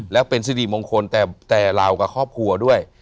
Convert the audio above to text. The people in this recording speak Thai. และเป็นสิริมงคลแต่เรากับครอบครัวด้วย